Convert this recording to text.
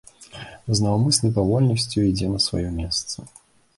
З наўмыснай павольнасцю ідзе на сваё месца.